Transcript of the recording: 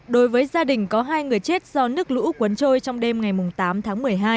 đối với gia đình có hai người chết do nước lũ cuốn trôi trong đêm ngày tám tháng một mươi hai